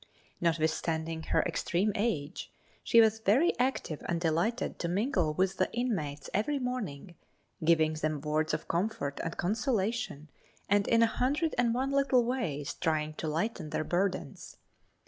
Notwithstanding her extreme age she was very active and delighted to mingle with the inmates every morning, giving them words of comfort and consolation and in a hundred and one little ways trying to lighten their burdens.